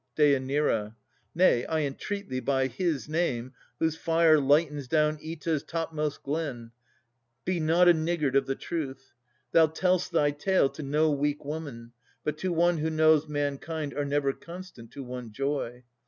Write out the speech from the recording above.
DÊ. Nay, I entreat thee by His name, whose fire Lightens down Oeta's topmost glen, be not A niggard of the truth. Thou tell'st thy tale To no weak woman, but to one who knows Mankind are never constant to one joy.